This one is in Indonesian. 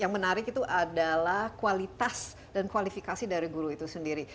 yang menarik itu adalah kualitas dan kualifikasi dari guru itu sendiri